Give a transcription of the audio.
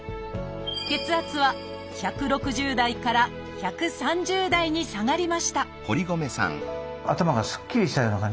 血圧は１６０台から１３０台に下がりました